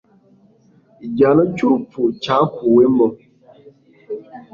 igihano cy'urupfu cyakuwemo